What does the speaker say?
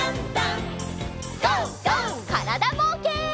からだぼうけん。